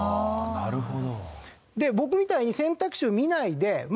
なるほど。